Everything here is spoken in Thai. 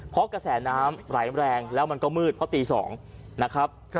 เพราะกระแสน้ำไหลแรงแล้วมันก็มืดเพราะตี๒นะครับ